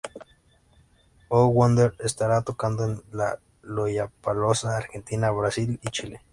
Oh Wonder estará tocando en el Lollapalooza Argentina, Brasil y Chile.